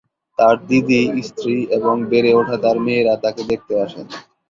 তাঁর দিদি, স্ত্রী এবং বেড়ে ওঠা তাঁর মেয়েরা তাঁকে দেখতে আসেন।